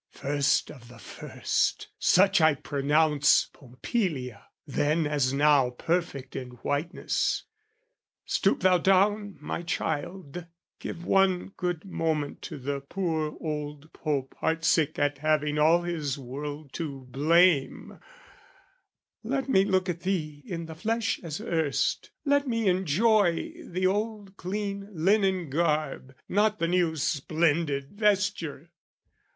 First of the first, Such I pronounce Pompilia, then as now Perfect in whiteness stoop thou down, my child, Give one good moment to the poor old Pope Heart sick at having all his world to blame Let me look at thee in the flesh as erst, Let me enjoy the old clean linen garb, Not the new splendid vesture!